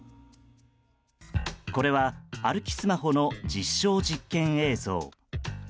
これは歩きスマホの実証実験映像。